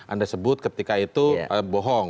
anda sebut ketika itu bohong